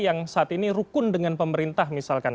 yang saat ini rukun dengan pemerintah misalkan